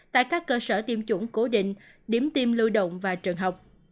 tại các cơ sở tiêm chủng cố định điểm tiêm lưu động và trường học